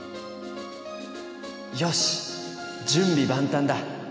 よし準備万端だ！